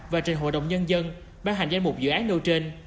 và trên hội đồng nhân dân bán hành danh mục dự án nâu trên